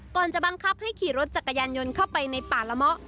จะบังคับให้ขี่รถจักรยานยนต์เข้าไปในป่าละเมาะ